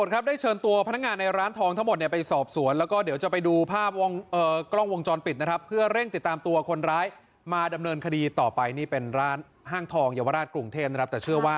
ขับหนีไปเลยไปฟังคุณวัชรพงศ์พนักงานร้านหน่อยครับ